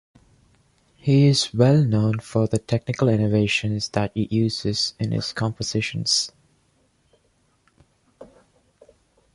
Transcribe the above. He is well known for the technical innovations that he uses in his compositions.